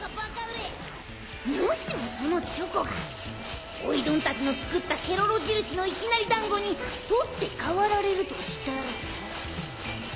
もしもそのチョコがおいどんたちの作ったケロロじるしのいきなりだんごに取って代わられるとしたら。